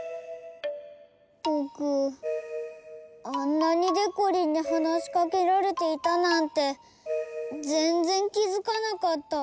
ぼくあんなにでこりんにはなしかけられていたなんてぜんぜんきづかなかった。